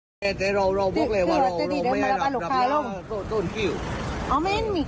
พี่ดินใจลุคคาลงนะคะ